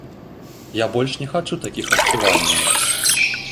Я больш не хачу такіх адчуванняў.